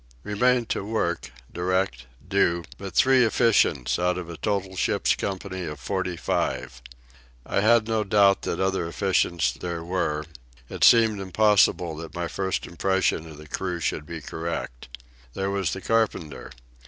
Remained to work, direct, do, but three efficients out of a total ship's company of forty five. I had no doubt that other efficients there were; it seemed impossible that my first impression of the crew should be correct. There was the carpenter.